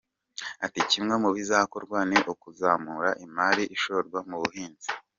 Ati “Kimwe mu bizakorwa ni ukuzamura imari ishorwa mu buhinzi.